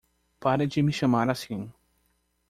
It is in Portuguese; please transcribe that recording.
Pare de me chamar assim!